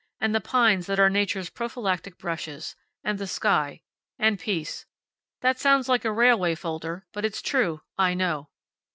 And the pines that are nature's prophylactic brushes. And the sky. And peace. That sounds like a railway folder, but it's true. I know."